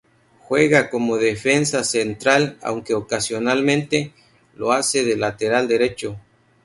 Juega como defensa central, aunque ocasionalmente lo hace de lateral derecho.